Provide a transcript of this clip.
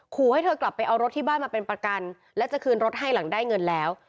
ขอให้เธอกลับไปเอารถที่บ้านมาเป็นประกันและจะคืนรถให้หลังได้เงินแล้ว